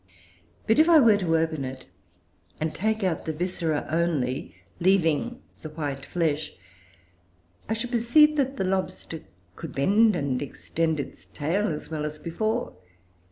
But if I were to open it, and take out the viscera only, leaving the white flesh, I should perceive that the lobster could bend and extend its tail as well as before.